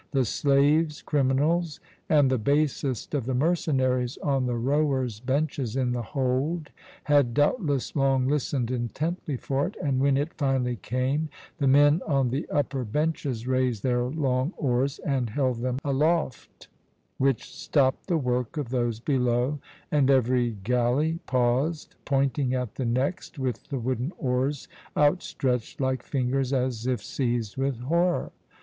The slaves, criminals, and the basest of the mercenaries on the rowers' benches in the hold had doubtless long listened intently for it, and, when it finally came, the men on the upper benches raised their long oars and held them aloft, which stopped the work of those below, and every galley paused, pointing at the next with the wooden oars outstretched like fingers, as if seized with horror.